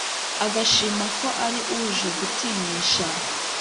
agashima ko ari uje gutinyisha